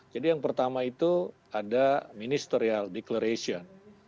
jadi yang pertama itu ada ministerial declaration